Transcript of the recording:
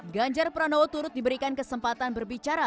ganjar pranowo turut diberikan kesempatan berbicara